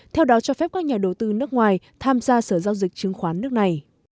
theo đó cho phép các nhà đầu tư nước ngoài tham gia sở giao dịch chứng khoán nước này